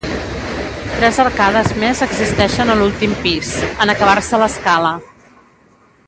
Tres arcades més existeixen a l'últim pis, en acabar-se l'escala.